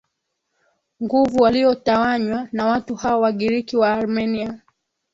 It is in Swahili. nguvu waliotawanywa na watu hao Wagiriki Waarmenia